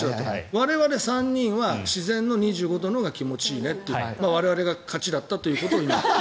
我々３人は自然の２５度のほうが気持ちいいねって、我々が勝ちだったということを。